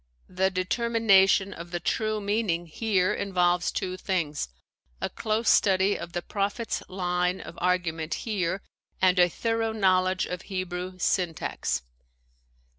The determination of the true meaning here involves two things: a close study of the prophet's line of argument here and a thorough knowl edge of Hebrew syntax.